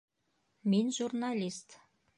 Мин -журналист!